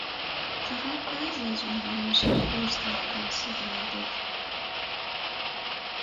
فقط بعضی از اونها را میشه با قرص تحت تاثیر قرار داد!